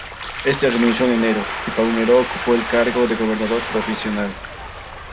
Éste renunció en enero y Paunero ocupó el cargo de gobernador provisional.